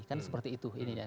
kan seperti itu